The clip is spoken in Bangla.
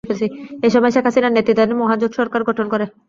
এসময় শেখ হাসিনার নেতৃত্বাধীন মহাজোট সরকার গঠন করে।